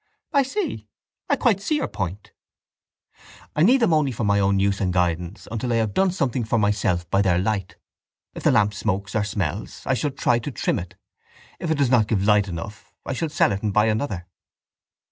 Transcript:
—I see. I quite see your point. —I need them only for my own use and guidance until I have done something for myself by their light. If the lamp smokes or smells I shall try to trim it. If it does not give light enough I shall sell it and buy another.